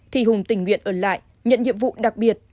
thì hùng tình nguyện ở lại nhận nhiệm vụ đặc biệt